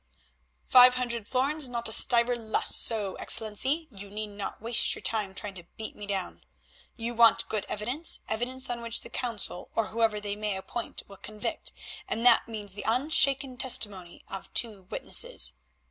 "Five hundred florins, not a stiver less, so, Excellency, you need not waste your time trying to beat me down. You want good evidence, evidence on which the Council, or whoever they may appoint, will convict, and that means the unshaken testimony of two witnesses.